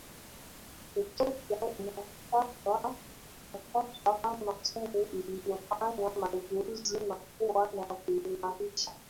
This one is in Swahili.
Ethopia inatajwa kama nchi iliyofanya mageuzi makubwa na kuimarisha